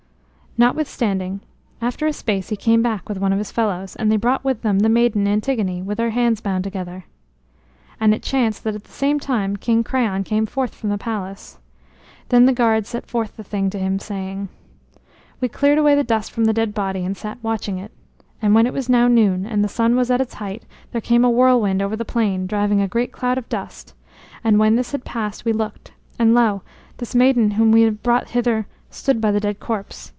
Notwithstanding, after a space he came back with one of his fellows; and they brought with them the maiden Antigone, with her hands bound together. And it chanced that at the same time King Creon came forth from the palace. Then the guard set forth the thing to him, saying: "We cleared away the dust from the dead body, and sat watching it. And when it was now noon, and the sun was at his height, there came a whirlwind over the plain, driving a great cloud of dust. And when this had passed, we looked, and lo! this maiden whom we have brought hither stood by the dead corpse.